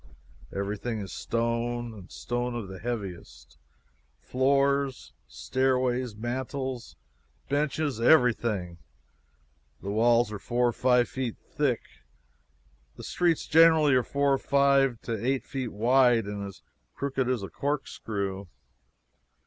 Everything is stone, and stone of the heaviest floors, stairways, mantels, benches everything. The walls are four to five feet thick. The streets generally are four or five to eight feet wide and as crooked as a corkscrew.